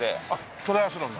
トライアスロンに？